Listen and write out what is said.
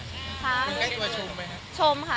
คุณใกล้ตัวชมไหมครับ